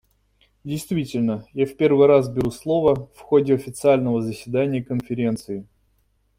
Действительно, я в первый раз беру слово в ходе официального заседания Конференции.